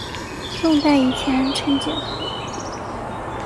宋代以前称解头。